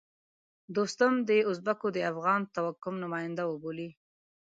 دوستم د ازبکو د افغان توکم نماینده وبولي.